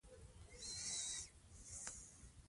هغه ښایسته شېبه غلی و.